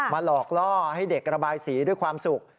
หลอกล่อให้เด็กระบายสีด้วยความสุข